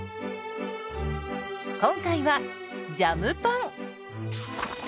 今回はジャムパン。